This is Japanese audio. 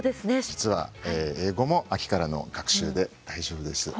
実は英語も秋からの学習で大丈夫です。